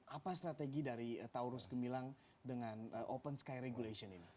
apa strategi dari taurus gemilang dengan open sky regulation ini